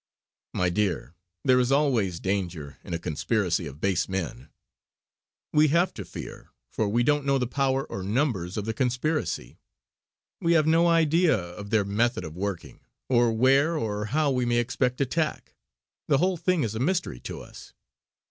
"My dear, there is always danger in a conspiracy of base men. We have to fear, for we don't know the power or numbers of the conspiracy. We have no idea of their method of working, or where or how we may expect attack. The whole thing is a mystery to us.